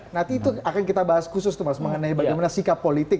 nanti itu akan kita bahas khusus tuh mas mengenai bagaimana sikap politik